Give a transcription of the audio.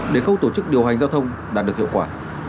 để khâu tổ chức điều hành giao thông đạt được hiệu quả